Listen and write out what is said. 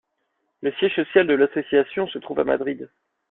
Le siège social de l’association se trouve à Madrid.